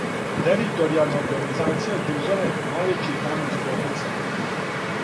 Територијална организација државе највећи је камен спотицања.